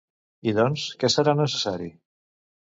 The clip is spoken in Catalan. I doncs, què serà necessari?